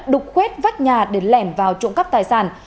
đục khuét vách nhà để lẻn vào trộm cắp tài sản